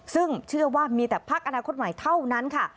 ซึ่งเชื่อว่ามีแต่พักอนาคตใหม่เท่านั้นค่ะ